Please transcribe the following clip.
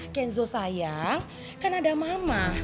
kenzo sayang kan ada mama